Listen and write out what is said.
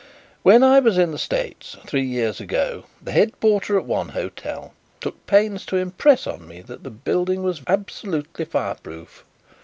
"When I was in the States, three years ago, the head porter at one hotel took pains to impress on me that the building was absolutely fireproof.